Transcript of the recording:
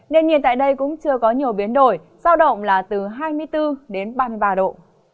nền nhiệt tại đây cũng chưa có nhiều biến đổi giao động là từ hai mươi bốn đến ba mươi ba độ